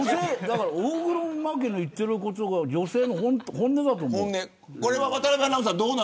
大黒摩季の言ってることが女性の本音だと思う。